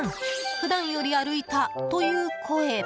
普段より歩いたという声。